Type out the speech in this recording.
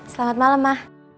selamat malam ma